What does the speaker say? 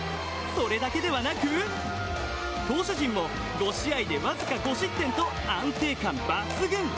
それだけではなく投手陣も５試合で僅か５失点と安定感抜群。